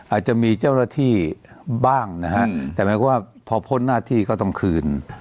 อาจจะมีเจ้าหน้าที่บ้างนะฮะแต่หมายความว่าพอพ้นหน้าที่ก็ต้องคืน